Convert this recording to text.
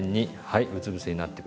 はい。